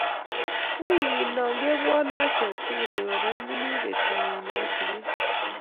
Wigi no kepwone achek tukul kepoipoitchi petung'ung' nepo siget.